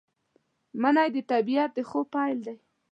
منی د طبیعت د خوب پیل دی